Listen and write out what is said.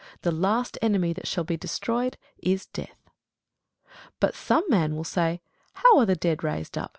The last enemy that shall be destroyed is death. But some man will say, How are the dead raised up?